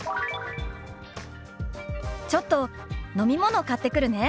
「ちょっと飲み物買ってくるね」。